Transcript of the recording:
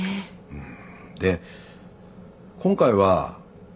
うん。